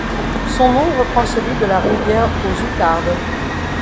Son nom reprend celui de la rivière aux Outardes.